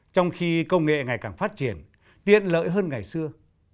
trong khi công nghệ ngày càng phát triển tiện lợi hơn ngày xưa